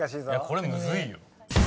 これむずいよ。